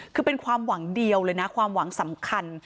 คือเป็นความหวังเดียวเลยนะความหวังสำคัญ